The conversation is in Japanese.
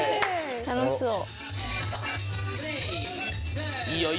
楽しそう。